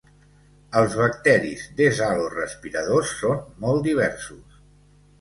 Els bacteris deshalorespiradors són molt diversos.